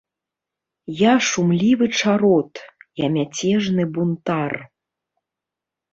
Я шумлівы чарот, я мяцежны бунтар.